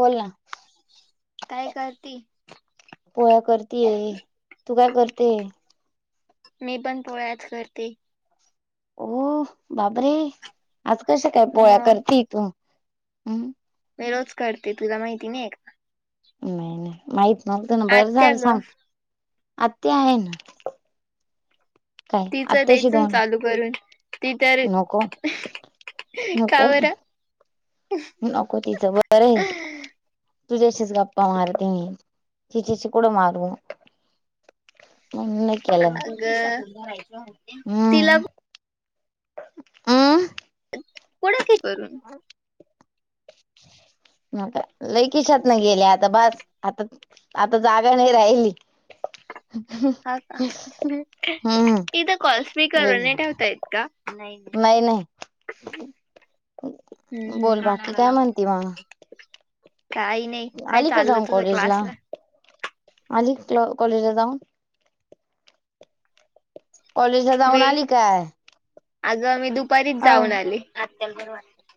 बोल ना. काय करती पोळ्या करतीये तू काय करते? मी पण पोळ्याच करते. ओ बापरे आज कशी काय पोळ्या मग करते तू? मी रोज करते तुला माहिती नाही का? नाही नाही माहित नव्हतं ना का बरं आत्या झालं ग सांग आत्या आहे कायआत्ताशी जाउन वरून ती तरी का नको बरं? नको तिचं बरं आहे. तुझ्याशीच गप्पा मारते तिच्याशी कुडं मारू. नय [unintelligible] अगं तिला हम्म हम् कोणा की करून म का लै कीशात नाही गेले आता बस आता आता जाग्या नाही राहिली. हा का हम्म उथ कॉल्स लई स्पीकरवर नाही ठेवता येत का? नाही नाही बोल बाकी काय म्हणते मग? काही नाही काय आली का चाललं जाऊन तुझा कॉलेजला क्लास ला? आली क्ल कॉलेजला जाऊन? कॉलेज ला जाऊन आली काय? आज व आम्ही दुपारीच अ जाऊन आली.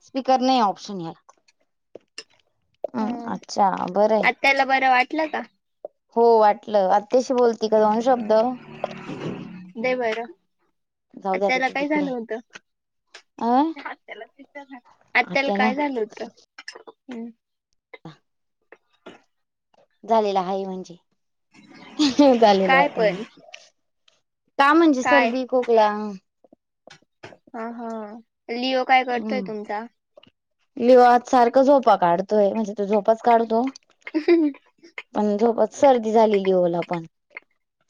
स्पीकर नाही ऑप्शन याला. अ अच्छा बरं आहे. त्याला बरं वाटलं का? हो वाटलं आत्यशी बोलती का दोन शब्द? दे बरं जाऊ द्या आता आत्याला ती काय तिकडे झालं होतं? अ त्यालाला आत्याला काय झालं होत? झालेला आहे म्हणजे झालेलो काय आत्ता नाही. पण का म्हणजे काय सर्दी खोकला हा हा लिओ काय करतोय हम्म तुमचा लिवा आज सारखं झोपा काढतोय म्हणजे तो झोपाच काढतो कस? पण झोपच सर्दी झालेली लिओला पण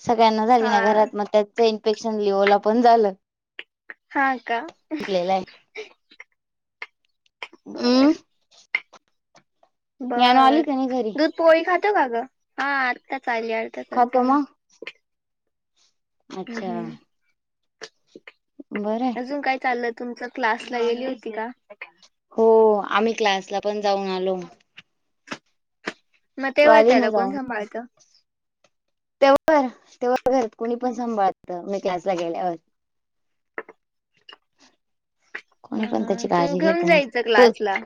सगळ्यांना झाली हा ना घरात मग त्या ते इन्फेक्शन लिओला पण झालं. हा का. संपलेलं आहे बर आहे हम् ज्ञानू बरं आली का नाही घरी दूध पोळी खातं का गं हा आत्ताच आली अर्ध्या तास खातो झाला. मग. हम्म अच्छा हम्म बरंय अजून काय चाललं तुमचा क्लासला गेली होती का? हो आम्ही क्लासला पण जाऊन आलो. मग तू तेव्हा आली ना त्याला कोण सांभाळतं? तेवर ते्हा [unintelligible] घरात कुणी पण हा सांभाळतं मी क्लासला गेल्यावर कोणी हा पण हा त्याची काळजी तुम्ही घेत घेऊन नाही जायचं क्लासला.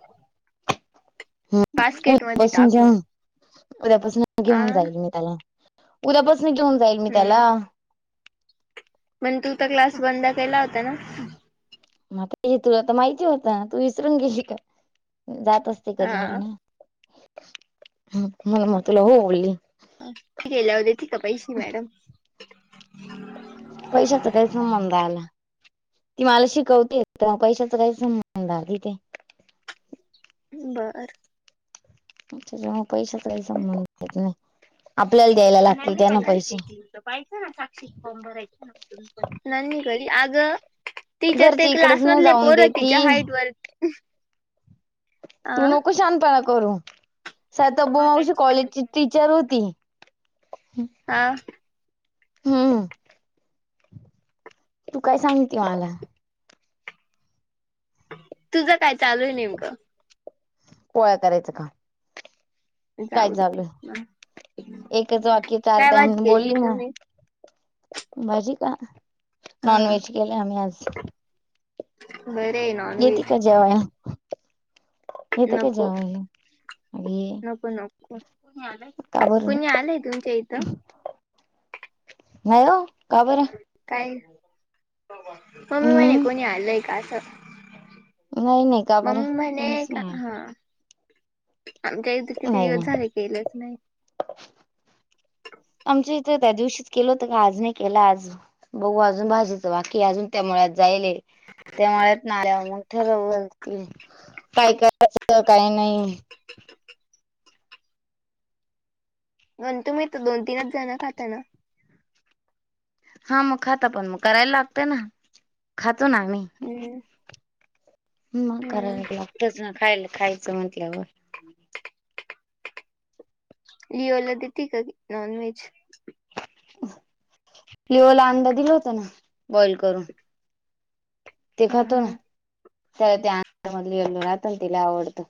हम्म हम्म बास्केट मध्ये बसून टाकून जाऊन. उद्यापासनं आ घेऊन जाईल मी त्याला उद्यापासनं घेऊन जाईल मी त्याला. मण तू तर क्लास बंद केला होता ना? म हे तुला तर माहिती होता तू विसरून गेली का जात अस कधी हा होती ना म्ह मग तुला हो बोलली [unintelligible] ठीक आहे जाऊ देती का पैशे मॅडम? पैशाचा काही संबंध आला. ती मला शिकवते आता पैशाच काही संबंध नाय तिथे. बरं अच्छा जेव्हा पैशाचा काही संबंधच नाही आपल्याला द्यायला लागतील द्याना पैशे. नाय मी घरी आगं ति के ते घरची इकडच नाही क्लासमधले जाऊन पोरं आहे तिच्या देती हाईट वर अ तू नको शहानपणा करू सातबो मावशी कॉलेजची टीचर होती. हा. हम्म. तू काय सांगती मला? तुझं काय चालू आहे नेमकं? पोळ्या करायचं का? काय जाऊ दे झालं एकच वाक्य चार काय टाइम भाजी केली बोलली ना. तुम्ही? भाजी का नॉन हा व्हेज केला आम्ही आज. बरे आहे नॉन का व्हेज जेवाया येते का नको जेवायला? अरे नको नको का बरं कुणी आलंय तुमच्या इथं? हो का बरं. काय मम्मी म्हणे हम्म कोणी आलाय का असं. नाही नाही का बरं मम्मी म्हणे कोणीच का नाही आलं. हा आमच्या इथं किती नाही नाही दिवस झाले केलच नाही. आमच्या इथं त्या दिवशीच केलं होतं का आज नाही केलं आज. बघ अजून भाजीचं बाकी अजून त्या मळ्यात जायले. त्या मळ्यातनं आल्यावर मंग ठरवू काय काय करायच काय नाय. आण तुम्ही तर दोन तीनच जणं खाता ना. हा मग खाता पण मग करायला लागतय ना खातो ना आम्ही. हम्म. मग हम्म. करायला तर लागतच ना खायला खायचं म्हटल्यावर. लिओला देते का की नॉन व्हेज? लिओला अंड दिल होता ना बॉइल करून. ते हा खातो ना हा त्याला ते अंड्यामधले येेलों राहतं ना ते लय आवडतं.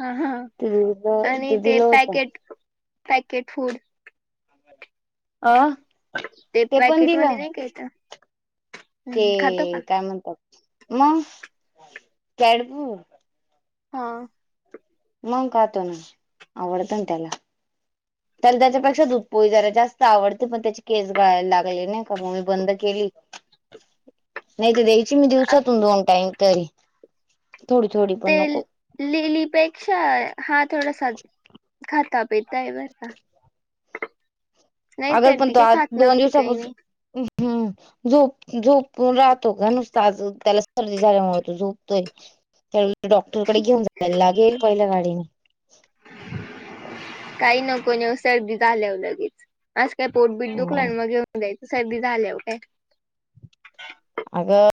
हा हां ते दिलं आणि ते दिलं होतं पॅकेट पॅकेट फूड. आ ते पॅकेट मध्ये नाही का येतं हम्म, खातो का ते काय म्हणतात मग केडपू हा. मंग खातो ना आवडत ना त्याला. त्याला त्याच्यापेक्षा दुधपोळी जरा जास्त आवडते पण त्याचे केस गळायला लागले नाही का मग मी बंद केली. नाही तर द्यायची मी दिवसातून अग- दोन टाईम तरी थोडी थोडी ते पण नको. लिलीपेक्षा हा थोडासा खाता पी ताय बरं का नाही अगल तर पण ती तो काही आज खात दोन नव्हती काही दिवसापासू नाही उम्म हम्म. झोप झोपून राहतो का नुसता आसं त्याला सर्दी झाल्यामुळे तो झोपतोय. त्याले डॉक्टरकडे घेऊन जायला लागेल पहिल्या गाडीनी. काही नको नेऊ सर्दी झाल्यावर लगेच आसं काय पोटबीट दुखला गाडीने आणि मग द्याच सर्दी झाल्या हो काय? अगं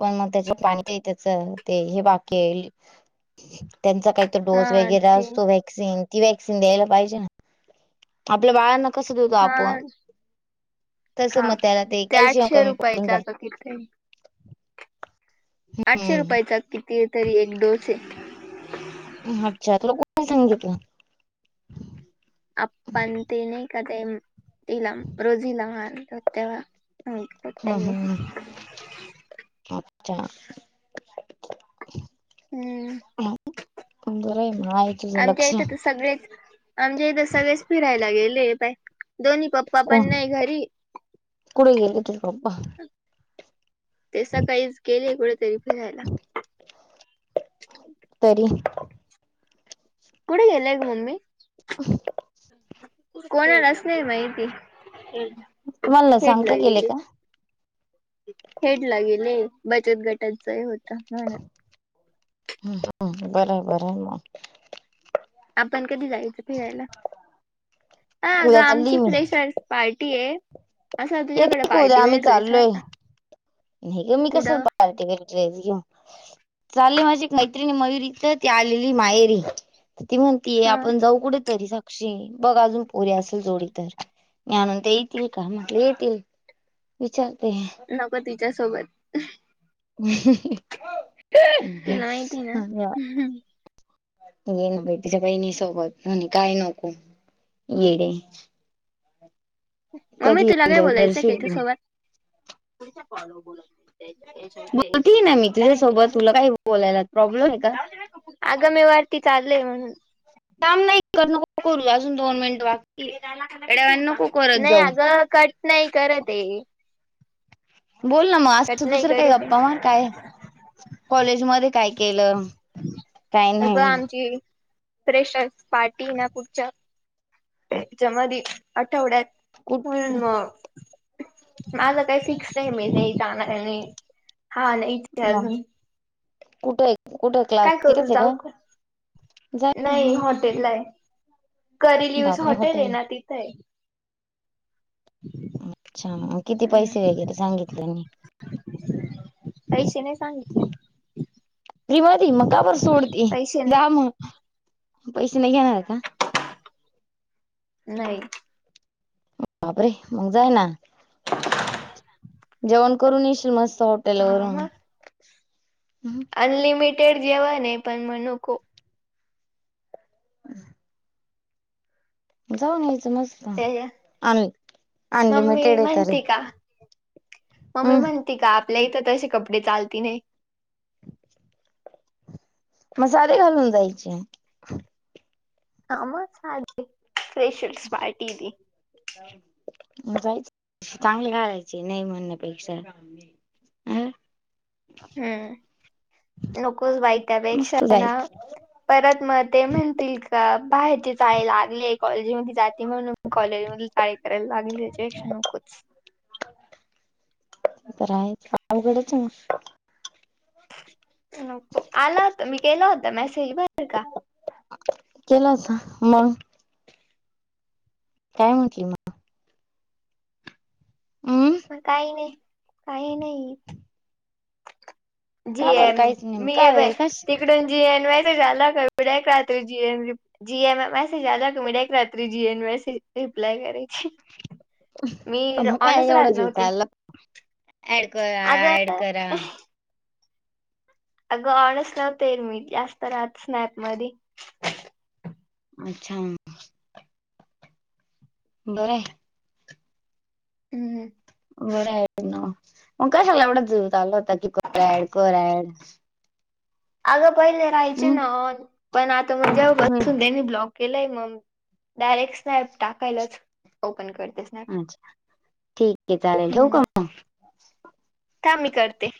पण मग त्याच्या पाणी ते त्याचा ते हे बाकी आहे ले त्यांचा काही तर डोस हा वगैरे ते असतो वॅक्सिन ती वॅक्सिन द्यायला पाहिजे ना. आपल्या बायाना कसं देऊ गं हा आपण तसं म त्याला ते कल्शियम कमी पडून जाय. किथे आठशे हम्म रुपयाचा किती तरी एक डोस हे. अच्छा तुला कोण सांगितलं? आपण ते नाही का ते म तिलाम रोजी लहान तेव्हा सांगितलं हम्म त्यांनी हम्म अच्छा. हम्म हा पण बरं आहे म आहे तुझं आमच्या लक्ष. इथे तर सगळेच आमच्या इथ सगळेच फिरायला गेले ऐ पाय दोन्ही पप्पा पण कोण नाय घरी कुठे गेले तुझे पप्पा? ते सकाळीच गेले कुठेतरी फिरायला. तरी कुठे गेले आहे गं मम्मी? असं कोणालाच नाही माहिती तुम्हाला ना खेडला सांगता गेले. का हेड ला गेले बचत गटाचा ही होता ना. हम्म हम्म बरोबर आहे मग. आपण कधी जायचं फिरायला आ गं उद्या चालली आमची मी फ्रेशच पार्टी आहे असा तुझ्याकडे येते का उद्या पार्टी आम्ही वेयर ड्रेस आहे चाललोय का? नाही गं मी कुठं कसं पार्टी विअर ड्रेस घेऊन. चाले माझी एक मैत्रिणी मयुरी तर ती आलेली माहेरी तर ती म्हणतीय हा आपण जाऊ कुठे तरी सा क्षीन बघ अजून पोरी असेल जोडी तर मी आणून ते येतील का म्हटले येतील. विचारते नको तिच्यासोबत. हा तुला माहिती ना गं. तो येईन बाई तिच्या बहिणी सोबत म्हणी काय नको येडे. मम्मी कधी तुला काय एन्जॉय बोलायचंय करशील तू त्याच्यासोबत? बोलती ना मी तुझ्यासोबत तुला काय बोलायला प्रॉब्लेम आहे का? अगं मी वरती चाललय म्हणून. काम नाही करू नको करू अजून दोन मिंट बा नाही अगं कट नाही करत आहे. बोल ना मग कट असं नाही दुसरं काही करत गप्पा आहे मार काय कॉलेज मध्ये काय केलं? काय एक वेळा नाही आमची फ्रेशर्स पार्टी ना पुढच्या त्याच्यामध्ये आठवड्यात कुठ म्हणून मग माझा काही फिक्स नाही मी नाही जाणार आहे नाही हा नाही. ते मंग अजून कुठे आहे कुठे आहे क्लास काय करू तिथच आहे जाऊ का? जाय ना नाही मग हॉटेलला आहे करी लिव्हज हॉटेल आहे ना तिथं आहे. अच्छा किती पैसे वगैरे सांगितले नाही. पैशे नाही सांगितले. फ्री मध्ये मग का बरं सोड ते पैसे जा नाही मग पैशे नाही घेणार का? नाही बाप रे? मंग जा ना जेवण करून येशील म सो तेलं हा वरुम मग हम्म. अनलिमिटेड जेवण आहे पण म नको. [inaudible] जाऊन यायचं मस्त ते अन मम्मी अनलिमिटेड आहे तरे. म्हणती का मम्मी म्हणती का आपल्या इथं तशे कपडे चालती नाही. म साडी घालून जायचे. [unintelligible] फ्रेशर्स पार्टी दी. जायच चांगले घालायचे नाही म्हणण्यापेक्षा. अ हम्म नकोच बाई त्यापेक्षा मस्त ना जायचं परत म ते म्हणतील का बाहेरचे जाय लागले कॉलेजी मधी जाते म्हणून. कॉलेज मध टाळी कराय लागेल याच्यापेक्षा नकोच. तर आहे अवघडच आहे म. नको आला होता मी केलं होता मेसेज बर का. केलासा मंग काय म्हंटली म? हम्म म काही नाही काही नाहीत. जी का बरं एम काहीच नाही मग मी आहे बाय काय कश ती. [unintelligible] जी एम मेसेज [unintelligible] एक रात्री जी एन मॅसेज रिप्लाय करेची. म काय एवढा राहत जीव नव्हते चलला ऍड करा अगं ऍड करा. अगं ऑनस नव्हते मी जास्त राहत स्नॅप मधी अच्छा बरं आहे. हम्म हम्म. बरं आहे ना मंग काय ह्याला जीव चालला होता की कर ऍड कर ऍड. अगं पहिले राहायचे हम्म ना पण आता मग जेव हम्म बसून देणे ब्लॉग केलंय मम डायरेक्ट स्नॅप टाकायलाच ओपन करतेस. अच्छा ठीक आहे चालेल ठेवू का हम्म म? थांब मी करते.